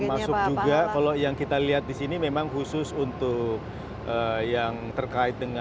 termasuk juga kalau yang kita lihat di sini memang khusus untuk